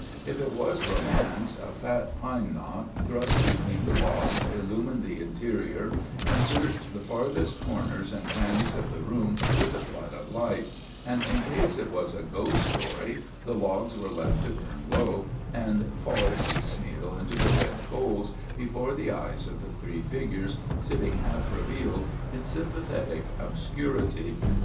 If it was romance, a fat pine knot thrust between the logs illumined the interior and searched the farthest corners and crannies of the room with a flood of light; and in case it was a ghost story, the logs were left to burn low and fall piecemeal into the red coals before the eyes of the three figures sitting half revealed in sympathetic obscurity.